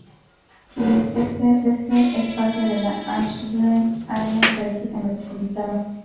Leicester es parte de la Asheville Área Estadística Metropolitana.